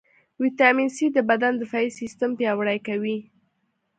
ويټامين C د بدن دفاعي سیستم پیاوړئ کوي.